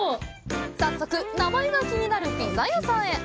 早速、名前が気になるピザ屋さんへ。